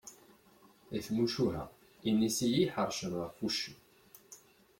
Deg tmucuha, inisi i iḥeṛcen ɣef uccen.